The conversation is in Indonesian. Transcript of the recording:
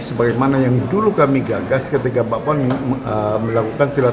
seperti yang dulu kami gagas ketika pak puan melakukan silat